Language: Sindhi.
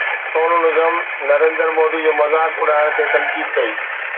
سونو نگم نريندر مودي جو مذاق اڏائڻ تي تنقيد ڪئي